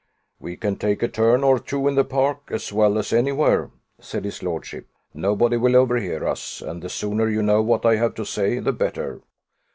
"We can take a turn or two in the park, as well as any where," said his lordship: "nobody will overhear us, and the sooner you know what I have to say the better."